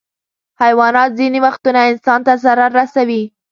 حیوانات ځینې وختونه انسان ته ضرر رسوي.